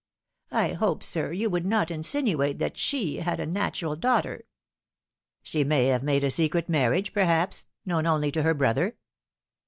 I hope, sir, you would not insinuate that she had a natural daughter ?"" She may have made a secret marriage, perhaps, known only to her brother."